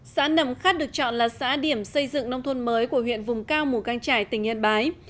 xã nầm khắt được chọn là xã điểm xây dựng nông thôn mới của huyện vùng cao mùa cang trải tỉnh yên bái